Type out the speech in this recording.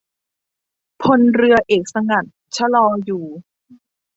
พลเรือเอกสงัด ชลออยู่